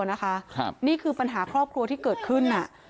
นี่คือปัญหาครอบครัวที่เกิดขึ้น